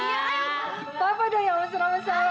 iya papa dong yang mesra mesra sama aku